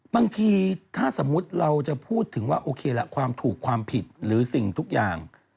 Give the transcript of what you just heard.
บางทีถ้าสมมุติเราจะพูดถึงว่าโอเคละความถูกความผิดหรือสิ่งทุกอย่าง